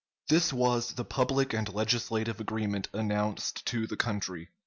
] This was the public and legislative agreement announced to the country.